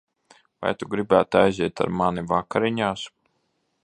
Vai tu gribētu aiziet ar mani vakariņās?